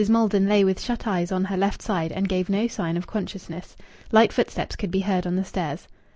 Maldon lay with shut eyes on her left side and gave no sign of consciousness. Light footsteps could be heard on the stairs.